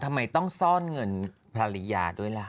ทำไมต้องซ่อนเงินภรรยาด้วยล่ะ